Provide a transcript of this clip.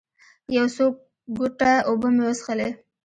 یو څو ګوټه اوبه مې وڅښلې.